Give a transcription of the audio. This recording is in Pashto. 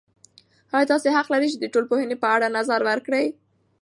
ایا تاسې حق لرئ چې د ټولنپوهنې په اړه نظر ورکړئ؟